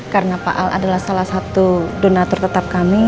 karena pak al adalah salah satu donator tetap kami